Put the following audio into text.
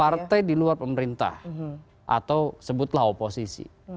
partai di luar pemerintah atau sebutlah oposisi